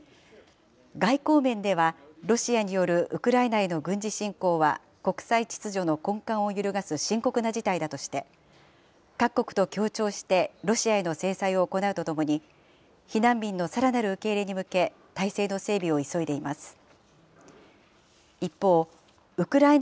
外交面では、ロシアによるウクライナへの軍事侵攻は国際秩序の根幹を揺るがす深刻な事態だとして、各国と協調してロシアへの制裁を行うとともに避難民のさらなる受け入れに向け、体制の整備を急いでいます。